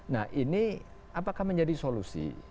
nah ini apakah menjadi solusi